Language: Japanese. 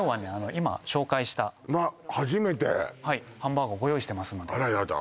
今紹介したまっ初めてハンバーガーご用意してますのであらやだ